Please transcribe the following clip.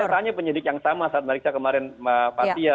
bahkan saya tanya penyidik yang sama saat memeriksa kemarin mbak patia